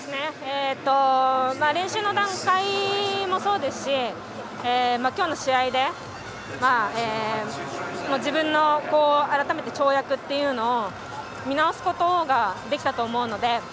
練習の段階もそうですし今日の試合で自分の跳躍というのを改めて見直すことができたと思うので。